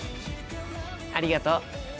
ありがとう。